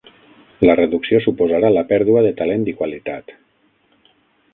La reducció suposarà la pèrdua de talent i qualitat.